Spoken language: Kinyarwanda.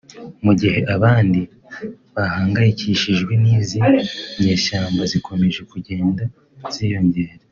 mu gihe abandi bahangayikishijwe n’izi nyeshyamba zikomeje kugenda ziyongera